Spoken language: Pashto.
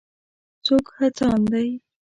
څوک هڅاند دی.